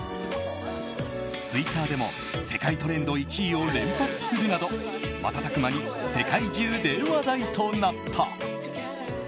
ツイッターでも世界トレンド１位を連発するなど瞬く間に世界中で話題となった。